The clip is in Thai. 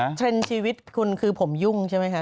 เทรนด์ชีวิตคุณคือผมยุ่งใช่ไหมคะ